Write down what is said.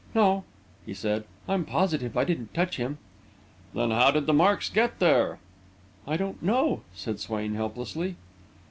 "No," he said; "I'm positive I didn't touch him." "Then how did the marks get there?" "I don't know," said Swain helplessly.